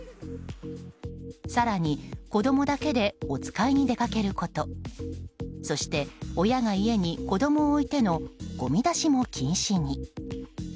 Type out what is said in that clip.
更に、子供だけでおつかいに出かけることそして、親が家に子供を置いてのごみ出しも禁止に。